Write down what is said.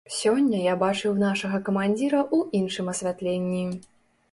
Сёння я бачыў нашага камандзіра ў іншым асвятленні.